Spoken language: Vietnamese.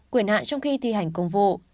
quyền hạn trong khi thi hành